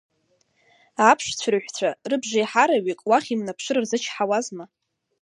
Аԥш цәырҳәцәа рыбжеиҳараҩык уахь имнаԥшыр рзыч-ҳауазма.